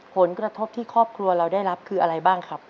ผลกระทบที่ครอบครัวเราได้รับคืออะไรบ้างครับ